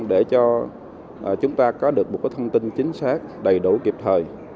để cho chúng ta có được một thông tin chính xác đầy đủ kịp thời